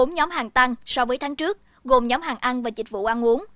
bốn nhóm hàng tăng so với tháng trước gồm nhóm hàng ăn và dịch vụ ăn uống